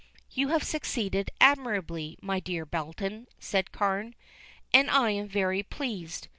"You have succeeded admirably, my dear Belton," said Carne, "and I am very pleased.